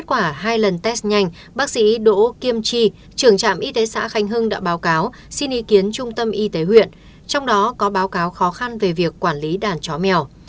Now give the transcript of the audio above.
trưởng trạm y tế xã khanh hưng đã báo cáo xin ý kiến trung tâm y tế huyện trong đó có báo cáo khó khăn về việc quản lý đàn chó mèo